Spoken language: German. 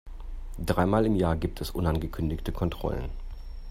Dreimal im Jahr gibt es unangekündigte Kontrollen.